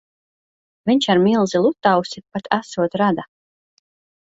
Viņš ar milzi Lutausi pat esot rada.